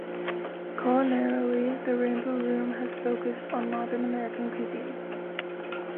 Culinarily, the Rainbow Room has focused on Modern American cuisine.